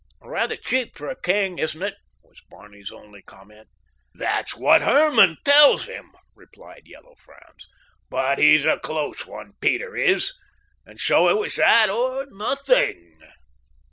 "Rather cheap for a king, isn't it?" was Barney's only comment. "That's what Herman tells him," replied Yellow Franz. "But he's a close one, Peter is, and so it was that or nothing."